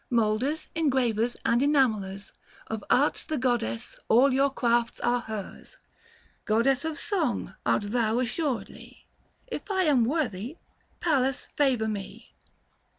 Moulders, engravers, and enamellers, Of arts the Goddess, all your crafts are hers. 890 Goddess of song, art thou assuredly, If I am worthy, Pallas favour me.